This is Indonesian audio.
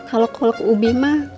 kalau kolak ubi mah